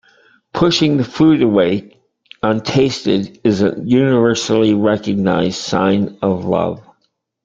Pushing the food away untasted is a universally recognized sign of love.